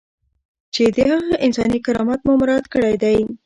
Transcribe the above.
چې د هغه انساني کرامت مو مراعات کړی دی.